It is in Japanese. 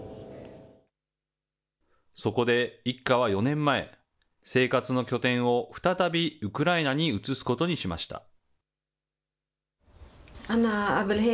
そこで一家は４年前、生活の拠点を再びウクライナに移すことにしました。